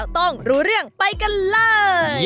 ต้องรู้เรื่องไปกันเลย